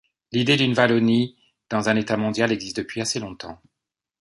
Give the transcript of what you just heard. L'idée d'une Wallonie dans un État mondial existe depuis assez longtemps.